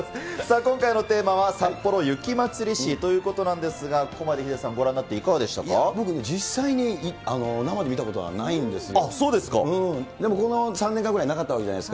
今回のテーマは、さっぽろ雪まつり史ということなんですが、ここまでヒデさん、僕ね、実際に生で見たことはないんですが。